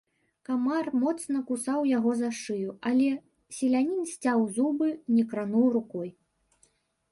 Камар моцна кусаў яго за шыю, але селянін сцяў зубы, не крануў рукой.